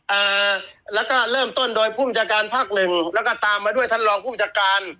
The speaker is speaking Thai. อ่าแล้วก็เริ่มต้นโดยผู้บัญชาการภาคหนึ่งแล้วก็ตามมาด้วยท่านรองผู้จัดการ